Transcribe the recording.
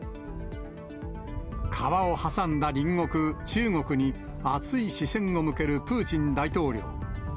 川を挟んだ隣国、中国に熱い視線を向けるプーチン大統領。